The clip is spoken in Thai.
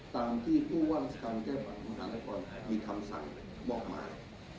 ตามที่ผู้ว่าราชิการเที่ยวบรรทนครมีคำสั่งมอบหมาย